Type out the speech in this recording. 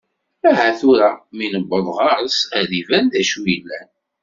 Aha tura, mi neweḍ ɣer-s ad iban d acu yellan.